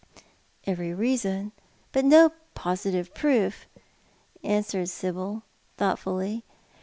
" "Every reason, but no positive proof," answered Sibyl, thoughtfully.